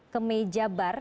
ke meja bar